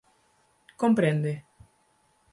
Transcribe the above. ¿Comprende?